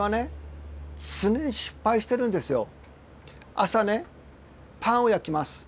朝ねパンを焼きます。